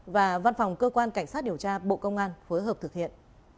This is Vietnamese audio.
và văn phòng cơ quan cảnh sát điều tra bộ công an phối hợp thực hiện